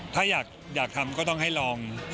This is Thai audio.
ถ้าอยากทำก็ต้องให้ลอง